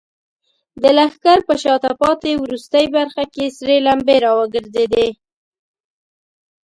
د لښکر په شاته پاتې وروستۍ برخه کې سرې لمبې راوګرځېدې.